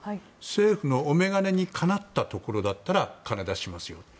政府のお眼鏡にかなったところだったら金を出しますよと。